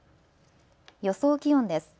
予想気温です。